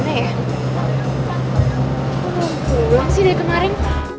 belum pulang sih dari kemaren